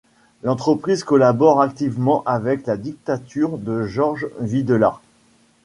L'entreprise collabore activement avec la dictature de Jorge Videla.